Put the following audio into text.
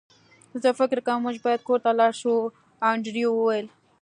زه فکر کوم موږ باید کور ته لاړ شو انډریو وویل